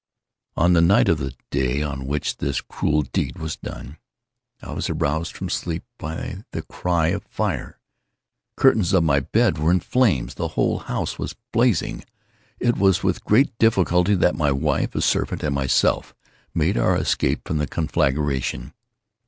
On the night of the day on which this cruel deed was done, I was aroused from sleep by the cry of fire. The curtains of my bed were in flames. The whole house was blazing. It was with great difficulty that my wife, a servant, and myself, made our escape from the conflagration.